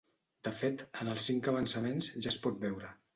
De fet en els cinc avançaments ja es pot veure.